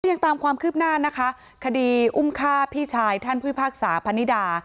ยังตามความคืบหน้านะคะคดีอุ้มฆ่าพี่ชายท่านผู้พิพากษาพนิดา